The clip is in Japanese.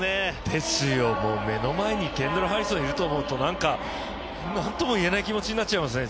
ですよ、もう目の前にケンドラ・ハリソンがいると思うとなんともいえない気持ちになっちゃいますね。